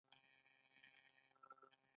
وحشي حیوانات د افغانستان د طبیعي پدیدو یو رنګ دی.